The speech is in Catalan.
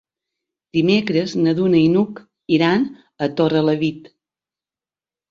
Dimecres na Duna i n'Hug iran a Torrelavit.